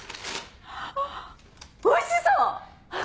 あおいしそう！